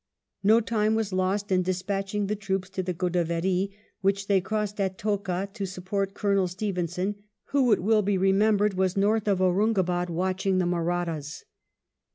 Ko time was lost in despatching the troops to the Godavery, which they crossed at Toka to support Colonel Stevenson, who, it will be remembered, was north of Aurungabad watching the Mahrattas.